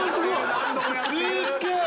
何度もやっている！